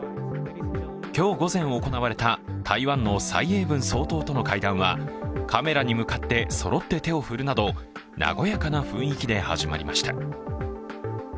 今日午前行われた台湾の蔡英文総統との会談は、カメラに向かってそろって手を振るなど、和やかな雰囲気で始まりました。